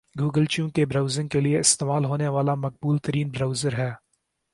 Google چونکہ browsing کے لئے استعمال ہونے والا مقبول ترین برؤزر ہے